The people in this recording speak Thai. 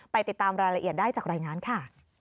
ติดตามรายละเอียดได้จากรายงานค่ะ